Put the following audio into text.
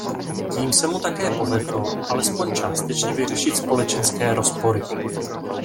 Tím se mu také povedlo alespoň částečně vyřešit společenské rozpory.